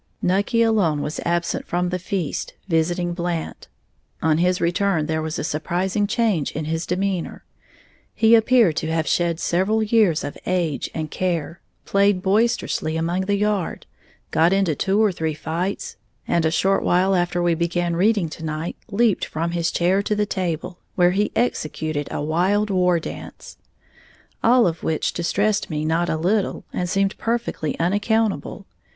Nucky alone was absent from the feast, visiting Blant. On his return, there was a surprising change in his demeanor. He appeared to have shed several years of age and care, played boisterously about the yard, got into two or three fights, and a short while after we began reading to night leaped from his chair to the table, where he executed a wild war dance. All of which distressed me not a little, and seemed perfectly unaccountable.